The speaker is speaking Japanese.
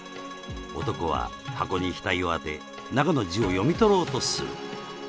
男は箱に額を当て中の字を読み取ろうとする